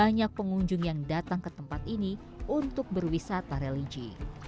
banyak pengunjung yang datang ke tempat ini untuk berwisata religi